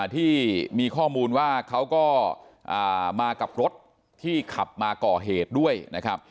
ที่มีข้อมูลว่าเขาก็มากับรถที่ขับมาก่อเหตุด้วยนะครับ